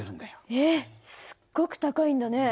えっすっごく高いんだね。